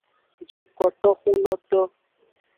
Dukotoxunoto.